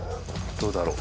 どうだろう。